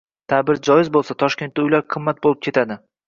Ta’bir joiz bo‘lsa, «Toshkentda uylar qimmat bo‘lib ketadi»